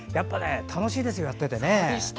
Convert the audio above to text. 楽しいですよ、やっていてね。